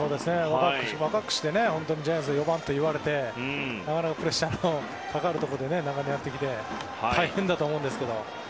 若くしてジャイアンツの４番といわれてなかなかプレッシャーのかかるところで長年やってきて大変だと思うんですけど。